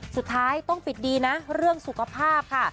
สุดท้ายต้องปิดดีนะเรื่องสุขภาพค่ะ